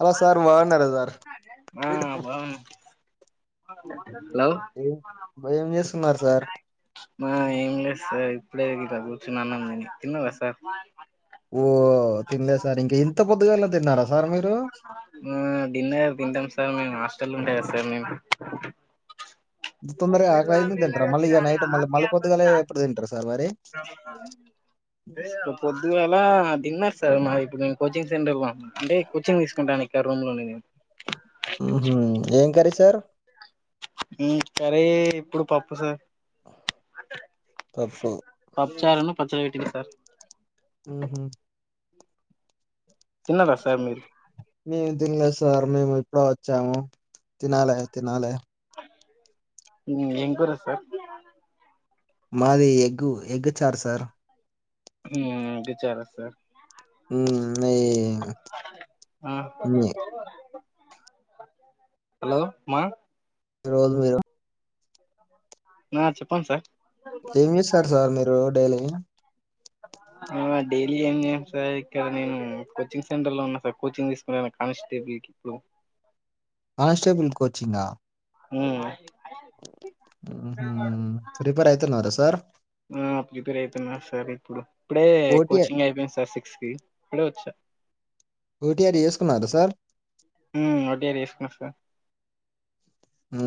అలో sir బాగున్నారా sir ఆ బా ఏం భయం మేస్తున్నారు సార్. మనం ఏం లేదు సార్ ఇప్పుడే ఇంక కూర్చున్న అన్నంతిని తిన్నావా సార్ ఓ తినలే సార్ ఇంక ఇంత పొద్దుగాలా తిన్నారా సార్ మీరు ఆ డిన్నర్ తింటాం సార్ మేము. హాస్టల్లో ఉంటాగా సార్ మేము [unintelligible] ఇంత తొందరగా ఆకలి అయింది తింటారా మళ్ళీ ఇక నైట్ మళ్ళీ మళ్ళీ పొద్దుగాలే ఎప్పుడు తింటారు సార్ మరి ఇక పొద్దుగాలా తిన్నా సార్ మరి ఇప్పుడు నేను కోచింగ్ సెంటర్‌లో ఉన్న అంటే కోచింగ్ తీసుకుంటాను ఇక్కడ రూమ్లోనే నేను ఆహా. ఏం కర్రీ సార్ మ్మ్ కర్రీ ఇప్పుడు పప్పు సార్ పప్పు పప్పుచారును పచ్చడి పెట్టిండ్రు సార్ మ్ హు తిన్నరా సార్ మీరు మేము తినలేదు సార్ మేము ఇప్పుడే వచ్చాము. తినాలే తినాలే మీది ఏం కూర సార్ మాది ఎగ్గు ఎగ్గుచారు సార్ హ్మ్ ఎగ్గుచార సార్ హ్మ్ మీ ఆ మీ హలో మా రోజు మీరు నా చెప్పండి సార్. ఏం చేస్తారు సార్ మీరు డైలీ. మ్ డైలీ ఏం చేయమ్ సార్ ఇక్కడ నేను కోచింగ్ సెంటర్లో ఉన్నా సార్ కోచింగ్ తీసుకుంటున్న కానిస్టేబుల్ ట్రిప్లో కానిస్టేబుల్ కోచింగా మ్. ఊహూ ప్రిపేర్ అవుతున్నారా సార్ ఆ ప్రిపేర్ అయితున్న సార్ ఇప్పుడు. ఇప్పుడే ఓటీ కోచింగ్ అయిపోయింది సార్ సి స్కి ఇప్పుడే వచ్చా. ఓటీఆర్ చేసుకున్నారా సార్ మ్మ్ ఓటిఆర్ చేసుకున్న సార్. మ్ హు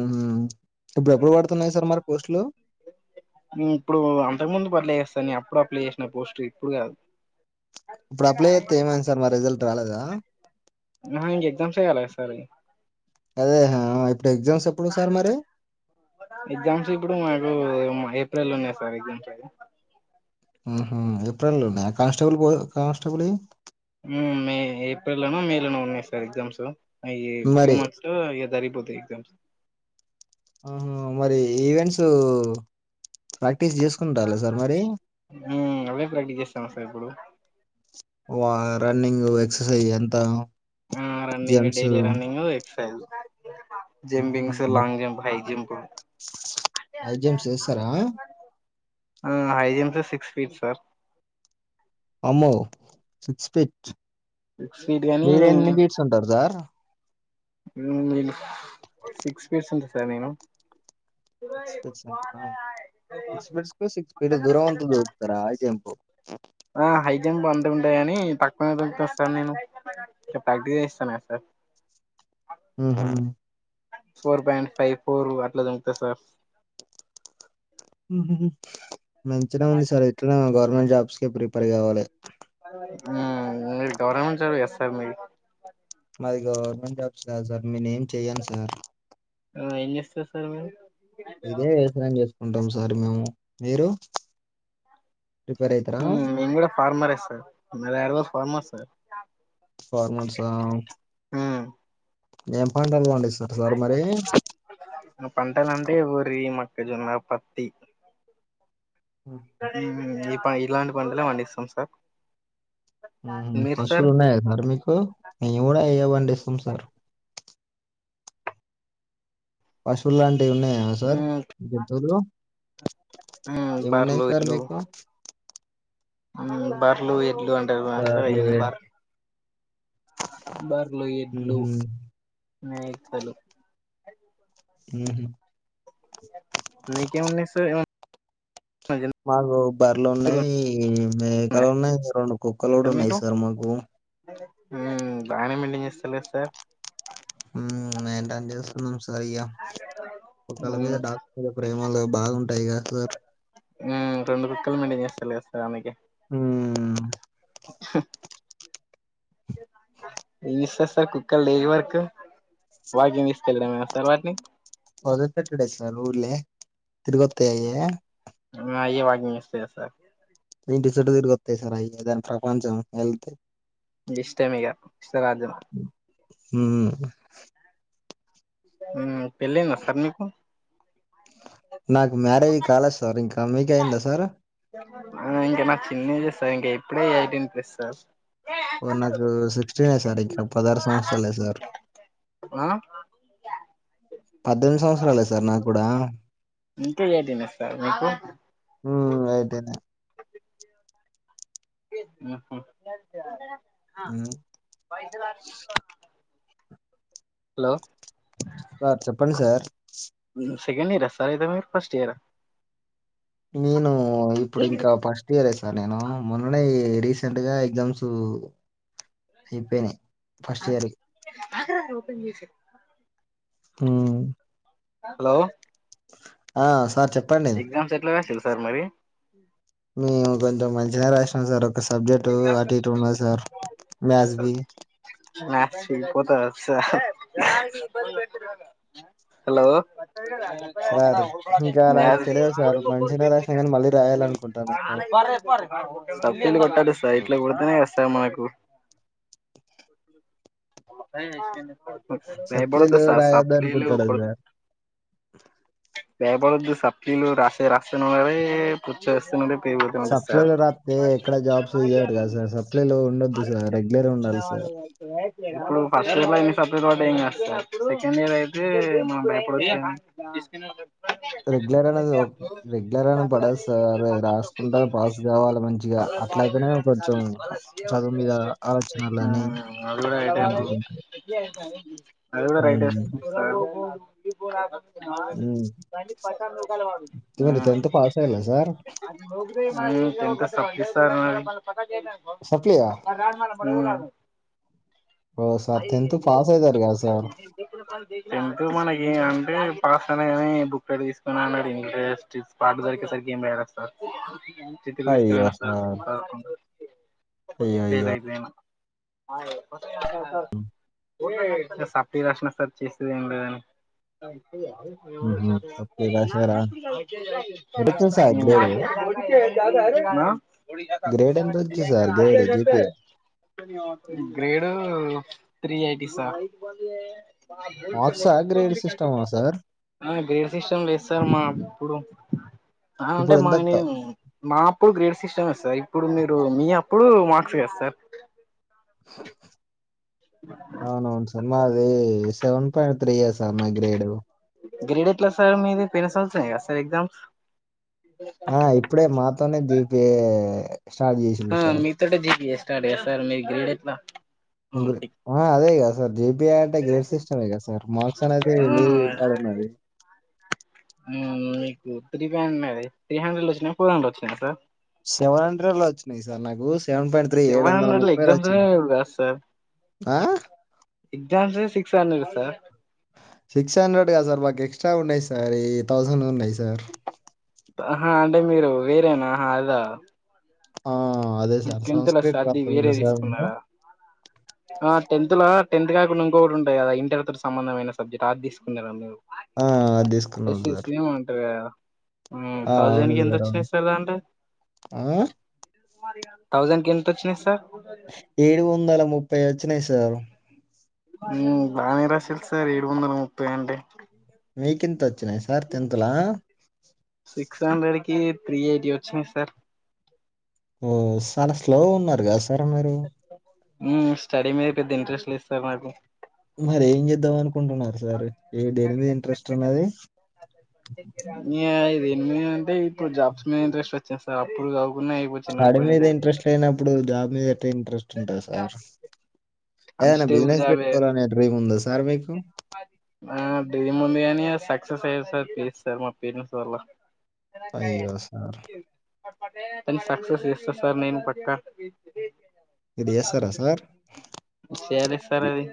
ఇప్పుడు అంతకు ముందు పన్లే చేేస్తా అప్పుడప్ అప్లై చేసిన పోస్ట్ ఇప్పుడు కాదు. ఇప్పుడప్లై చేస్తే ఏమైంది సార్ మా రిజల్ట్ రాలేదా నావింకా ఎగ్జామ్సె కాలేదు సార్. అదే హా ఎగ్జామ్స్ ఇప్పుడు మాకు ఏ ఏప్రిల్ లోనే సార్ ఎగ్జామ్స్ అవి. ఆహా ఏప్రిల్ లోనా కానిస్టేబుల్ కానిస్టేబుల్వి. మ్మ్ మే ఏప్రిల్ లోనో మే లోనో ఉన్నాయి సార్ ఎగ్జామ్స్. అయి టూ మరి మంత్స్లో ఇగ జరిగిపోతాయి ఎగ్జామ్స్. ఆహా! మరి ఈవెంట్స్ ప్రాక్ క్టీస్ చేసుకుంటాల సార్ మరి. ఎప్పుడు వా రన్నింగ్ ఎక్సర్సైజ్ అంత ఆ running daily running exercise jumpings హ్మ్. Long jump high jump. High jumps చేస్తారా. ఆ హైజంప్ల సిక్స్ ఫీట్ సార్ అమ్మో సిక్స్ ఫీట్ సిక్స్ ఫీట్ గాని మీరెన్ని ఫీట్స్ ఉంటరు సార్ ఉమ్మ్ సిక్స్ ఫీట్స్ ఉంట సార్ నేను ఫీట్స్ అంటారా? ఫీట్స్‌కి ఫీట్ అంతగానం దూరం అంత బెదురుతానా దూకుతారా హై జంప్? ఆ హైజంప్ అంతే ఉంట గనీ తక్కువనే దునుకుతా సార్ నేను ఇక ప్రాక్టీస్ జేయిస్తనగా సార్ ఊ ఫోర్ పాయింట్ ఫైవ్ ఫోరూ అట్ల జదువుతా సార్ ఊ హూ హు మంచిగనే ఉంది సార్ ఇట్లనే గవర్నమెంట్ జాబ్స్కి ప్రిపేర్ గావాలే ఉమ్మ్ మీరు గవర్నమెంట్ జాబ్ చేస్తర్ మీ మాది గవర్నమెంట్ జాబ్స్ కాదు సార్ నేనేం చేయ్యను సార్ ఆ ఏం జేస్తర్ సర్ మీరు ఇదే వ్యవసాయం చేసుకుంటం సార్ మేము‌. మీరూ ఊ మేంగుడ ఫార్మరే సర్ మా డాడీ [inaudible] ఫార్మర్ సార్ ఫార్మర్సా ఏం పంటలు పండి పంటలంటే వరి క్కజొన్నా పత్తి మ్మ్మ్ ఈ ప ఇలాంటి పంటలే పండిస్తం సార్ ఉమ్ మీరు సార్ పశువులున్నయా సార్ మీకూ మేం గూడ అయ్యే పండిస్తం సార్ పశువుల్లాంటివున్నాయా సార్ జంతువులు ఊ ఏమున్నాయి బర్లు సార్ ఎడ్లు మీకు ఊ బర్లూ ఎడ్లూ అంటరు బర్లు [unintelligible] సార్ బర్లు ఎడ్లు ఉహు మేకలు ఊ హు మీకేం ఉన్నయ్ సర్ ఎమ మాకూ బర్లున్నయ్ ఉన్నాయా మేకలున్నయ్ రొండు కుక్కలు గూడున్నయ్ సార్ మాకూ ఉమ్మ్ బాగనే మెంటెన్ చేస్తున్నార్ సార్ ఉమ్మ్మ్ మేంటెన్ జేస్తున్న రయ్య కుక్కల మ్మ్ మీద డాక్టర్ ప్రేమలు బాగుంటయ్ గద సార్ ఉమ్ రెండు కుక్కలు మెంటెన్ చేస్తల్ గద సార్ అందుకే ఉమ్మ్మ్ ఏంజేస్తర్ సర్ కుక్కల్నేడికి పట్కపో [unintelligible] వాటికే వదిలిపెట్టుడే సార్ ఊర్లే తిరిగొత్తయయ్యే మ్మ్ అయ్యే వాకింగ్ చేస్తయా సార్ ఇంటి సుట్టు తిరిగొత్తయ్ సార్ అయ్యే దాని ప్రపంచం అంతే ఇగిష్టం ఇగ ఇష్టరాజ్యం ఉమ్మ్ ఉమ్ పెళ్ళైందా సార్ మీకు నాకు మ్యారేజీ కాలేద్ సార్ ఇంకా మీకయిందా సార్ ఊ ఇంక నాకు ఎన్నియర్స్ సర్ ఇంక ఇప్పుడే యైటీన్ ప్లస్ సార్ ఓ నాకూ సిక్స్టీనే సార్ ఇంక పదారు సంవత్సరలే సార్ ఆ పద్దెన్ది సంవత్సరాలే సార్ నాగ్గూడా ఇంకా ఏటీనే సార్ మీకు హ్మ్ అయితేనే ఊ హు హ్మ్ హలో సార్ చెప్పండి సార్ ఊ హు సెకండ్ ఇయరా సార్ అయితే మీరు ఫస్ట్ ఇయరా నేను ఇప్పుడు ఇంకా ఫస్ట్ ఇయర్ ఏ సార్ నేను మొన్ననే రీసెంట్గా ఎగ్జామ్స్ అయిపోయినాయి ఆ ఫస్ట్ ఇయర్ ఆగరా ఓపెన్ చేసి ఊమ్ హలో ఆ సార్ చెప్ప ఎగ్జామ్స్ ఎట్ల రాసిర్రు సార్ మరి మేము కొంచెం మంచిగా రాసినాం సార్ ఒక సబ్జెక్ట్ అటు ఉన్నది సార్ మ్యాథ్స్ బి మ్యాథ్స్ పోతదా [unintelligible] ఇబ్బంది హలో సార్ ఇంకా నాకు తెలియదు సార్ మంచినే రాసినా కానీ మళ్ళీ రాయాలనుకుంటాన సార్ [unintelligible] సబ్లు కొట్టాలి సైట్లా కొడితేనే కదా మనకు [unintelligible] భయపడ సప్లీలు స రాయొద్దు సప్లీ లు అనుకుంటాడు కొ సార్ బేపడద్దు సప్లీలు రాసే రాస్తను రే ఉండే పుచ్చ వేస్తనులే సప్లీలు రాత్తే ఎక్కడ జాబ్స్ ఇయ్యరు కదా సార్ సప్లీలు ఉండొద్దు సార్ రెగ్యులర్ ఉండాలి [unintelligible] యువర్ సార్ గ్రేట్ ఇప్పుడు ఫస్ట్ ఇయర్ లో ఎన్ని సప్లీలు పోతాయో ఇంకా సెకండ్ ఇయర్ అయితే మనం భయపడ వచ్చామ [inaudible] రెగ్యులర్ అనేది రెగ్యులర్ అనే పడదు సార్ రాసుకుంటారు పాస్ కావాలి మంచిగా [inaudible] అట్లయితేనే కొంచెం చదువు మీద ఆలోచనలని మంచిగుంటాయి అది కూడా రైట్ ఏ హ్మ్ సార్ ఉమ్ నాకు తెల్సి బస్టాండ్ లో ఉంటాడు వాడు ఉమ్ పాస్ అయ్యలే సార్ ఎంత సేప్ సప్లియా [unintelligible] ఓ సార్ టెన్త్ [unintelligible] పాస్ అవుతారు కదా సార్ ప్పుడు మనకి అంటే పాస్ కానీ బుక్ తీసుకుని అన్నాడు ఇంట్రెస్ట్ పాటు దరి సరి గేమ్ రాస్తార్ సార్ చిట్టీలు తీసుకొని అయ్యో పోయినా రాస్తార్ సార్ సార్ అయ్యో అయ్యో సేదయితే నేను సార్ సప్లీ రాసినా సార్ చేసేది ఏం లేదని మ్మ్హ. సప్లి రాశారా ఎంత వచ్చింది సార్ గ్రేడ్ [unintelligible] తే గ్రేడ్ ఎంత వచ్చింది సార్ గ్రేడ్ జీపీఏ [unintelligible] ఏడు త్రీ ఎయిటీ సార్ మార్క్సా గ్రేడ్ సిస్టమా సార్ గ్రేడ్ సిస్టమ్ లేదు సార్ మా ఇప్పుడు అంటే ఇప్పుడు ఎంత మాని త- మా ఇప్పుడు గ్రేడ్ సిస్టం మే సార్ ఇప్పుడు మీరు ఇప్పుడు మీ అప్పుడు మార్క్స్ చేస్తారు అవునవును సినిమా అదే సెవెన్ పాయింట్ త్రీ ఏ సార్ నా గ్రేడ్ గ్రేడట్లా సార్ మీది పేన్సల్స సార్ ఎగ్జామ్స్ ఆ ఇప్పుడే మాతోనే జిపిఏ ఉమ్ మీతోటే జీపిఎ స్టార్ట్ సార్ మీ గ్రేడ్ ఎట్లా ఆ అదే కదా సార్ జిపిఏ అంటే గ్రేడ్ సిస్టమే కదా సార్ మాార్క్స్ అనేది మీ కాడ ఉన్నది [inaudible] ఉమ్ మీకు త్రీ హండ్రెడ్ అది త్రీ హండ్రెడ్ వచ్చినాయ ఫోర్ హండ్రెడ్ వచ్చినాయ సార్ సెవెన్ హండ్రెడ్ లో వచ్చినాయి సార్ నాకు సెవెన్ పాయింట్ త్రీ ఏడు సెవెన్ వందల హండ్రెడ్ లో ముప్పైలో ఎగ్జామ్స్ వచ్చినాయి కాదు సార్ ఆ ఎగ్జామ్స్ ఏ six hundred sir six hundred కాద్ సార్ మాకి ఎక్స్ట్రా ఉన్నాయి సార్ ఈ థౌసండ్ ఉన్నాయి సార్ ఆహా అంటే మీరు వేరేనా హలో ఆ అదే సార్ టెన్త్ లో సంస్కృత్ సర్ది ప్రాప్తం వేరే కదా సార్ మేము తీసుకున్నారా ఆ టెన్త్ లో టెన్త్ కాకుండా ఇంకోటి ఉంటాయి కదా ఇంటర్ తో సబంధమైన సబ్జెక్ట్ అది తీకున్నార మీరు ఆ, అది తీసుకున్నాం ఎస్ ఎస్ సార్ సి ఏమో అంటారు కదా హు ఆ, థౌజండ్ అవును కి [unintelligible] సార్ అవును ఆ, థౌజండ్ కి ఎంత వచ్చినాయి సార్ ఏడు వందల ముప్పై వచ్చినాయి సారు ఉ బానే రాసిలు సార్ ఏడు వందల ముప్పై అంటె మీకు ఎంత వచ్చినాయి సార్ టెన్త్ లా త్రీఎయిటి వచ్చినాయి సార్ ఓ చాలా స్లో ఉన్నారు కదా సార్ మీరు ఉ స్టడీ మీద పెద్ద ఇంట్రెస్ట్ లేదు సార్ నాకు మరి ఎం చేద్దమను చెప్పుకుంటున్నారు సార్ ఏ దేని మీద ఇంట్రెస్ట్ ఉన్నది దేని మీద అంటే ఇప్పుడు జాబ్స్ మీద ఇంట్రెస్ట్ వచ్చింది సార్ అప్పుడు కా స్టడీ మీద ఇంట్రెస్ట్ లేనప్పుడు జాబ్ మీద ఎట్లా ఇంట్రెస్ట్ ఉంటది సార్ ఏదనా కానిస్టేబుల్ బిజినెస్ జాబే పెట్టుకోవాలనే డ్రీమ్ ఉందా సార్ మీకు ఆ డ్రీమ్ ఉంది కానీ సక్సెస్ అయ్యే [unintelligible] మా పేరెంట్స్ వల్ల అయ్యో సార్ తను సక్సెస్ గిస్సాస్ సార్ నేను పక్క ఇది ఎస్తారా సార్ చేయాలి సార్ అది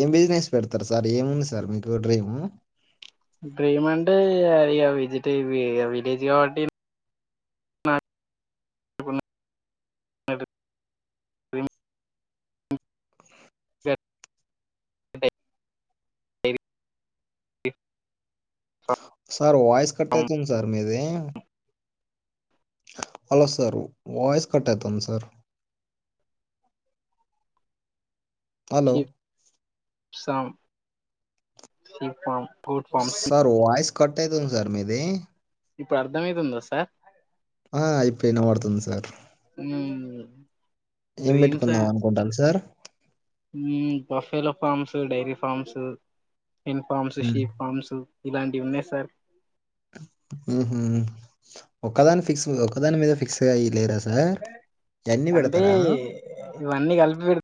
ఏం బిజినెస్ పెడతారు సార్ ఏముంది సార్ మీకు డ్రీము డ్రీమ్ అంటే అరి విజిట్ విలేజ్ కాబట్టి నా నాడు డ్రీమ్ సార్ వాయిస్ కట్ అయుతుంది సార్ మీది హలో సార్ వాయిస్ కట్ అయుతుంది sir hello! [inaudible] Sir voice cut అయుతుంది సార్ మీది ఇప్పుడు అర్ధంమైతుందా సార్ ఆ ఇప్పుడు వినపడుతుంది సార్ ఏం పెట్టుకుందాం అనుకుంటంది sir buffalo farms dairy farms ఎన్ ఫామ్స్ హ్మ్. షీ ఫామ్స్ ఇలాంటివి ఉన్నాయి సార్ ఉహు ఒకదాని ఫిక్స్ ఒకదాని మీద ఫిక్స్గా అయి లేద సార్ గన్ని అంటే పేడతారా ఇవన్నీ కలిపి పెడితే